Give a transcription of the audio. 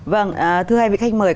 vâng thưa hai vị khách mời